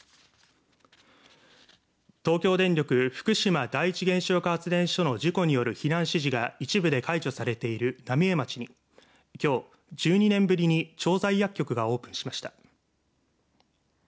東京電力福島第一原子力発電所の事故による避難指示が一部で解除されている浪江町にきょう、１２年ぶりに調剤薬局がオープンしました。